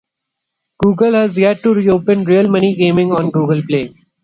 Google has yet to re-open real money gaming on GooglePlay.